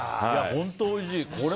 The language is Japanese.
本当、おいしい。